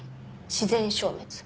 自然消滅。